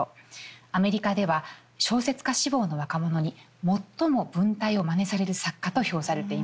アメリカでは小説家志望の若者に最も文体をまねされる作家と評されています。